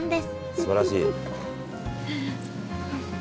すばらしい。